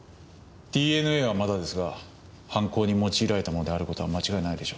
ＤＮＡはまだですが犯行に用いられたものである事は間違いないでしょう。